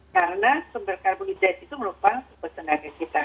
karena superkarbohidrat itu merupakan sebuah tenaga kita